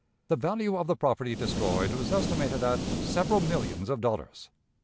The value of the property destroyed was estimated at several millions of dollars.